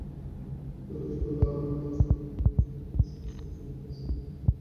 বিপ্রদাস বললে, আমার মা যে অপমান পেয়েছিলেন তাতে সমস্ত স্ত্রীজাতির অসম্মান।